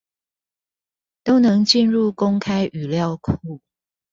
都能進入公開語料庫